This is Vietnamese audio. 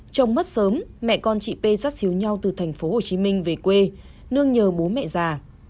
trong mất sớm mẹ con chị p rắc xíu nhau từ thành phố hồ chí minh về quê nương nhờ bố mẹ già